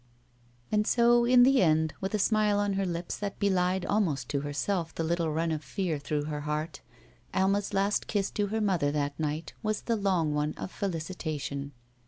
And so in the end, with a smile on her lips that belied almost to herself the little run of fear through her heart. Alma's last kiss to her mother that night was the long one of felicitation.